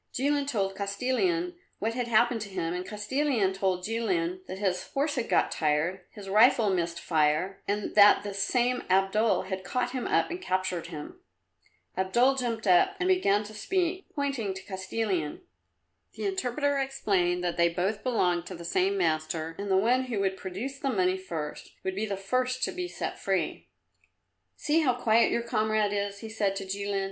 Jilin told Kostilin what had happened to him, and Kostilin told Jilin that his horse had got tired, his rifle missed fire, and that this same Abdul had caught him up and captured him. Abdul jumped up and began to speak, pointing at Kostilin. The interpreter explained that they both belonged to the same master, and that the one who would produce the money first would be the first to be set free. "See how quiet your comrade is," he said to Jilin.